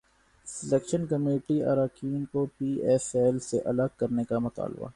selection committee اراکین کو P S L سے الگ کرنے کا مطالبہ